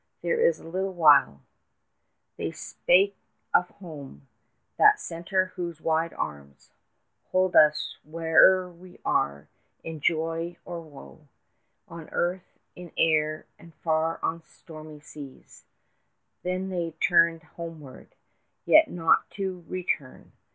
There a little while They spake of home, that centre whose wide arms Hold us where'er we are, in joy, or woe, On earth, in air, and far on stormy seas. Then they turned homeward, yet not to return.